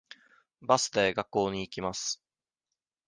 バスで学校に行きます。